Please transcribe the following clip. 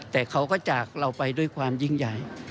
แต่เขาก็จากเราไปด้วยความยิ่งใหญ่